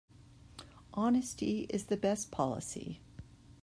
Honesty is the best policy.